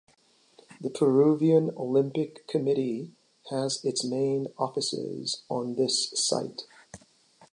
The Peruvian Olympic Committee has its main offices on this site.